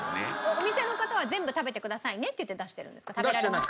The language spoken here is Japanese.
お店の方は全部食べてくださいねって言って出してるんですか？